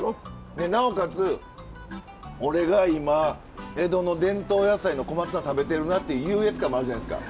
でなおかつ俺が今江戸の伝統野菜の小松菜食べてるなっていう優越感もあるじゃないですか。